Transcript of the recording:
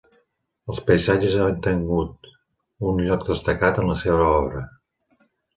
Els paisatges han tengut un lloc destacat en la seva obra.